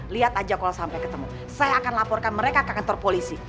lihat aja kalau sampai ketemu saya akan laporkan mereka ke kantor polisi